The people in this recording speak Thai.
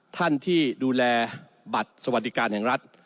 ท่านที่ดูแลบัตรสวัสดิการแห่งรัฐ